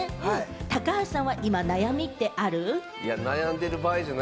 高橋さんは今、悩みってある？